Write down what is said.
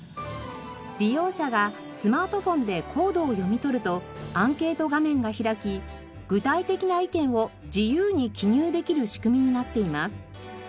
利用者がスマートフォンでコードを読み取るとアンケート画面が開き具体的な意見を自由に記入できる仕組みになっています。